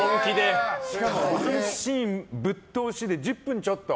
しかもワンシーンぶっ通しで１０分ちょっと。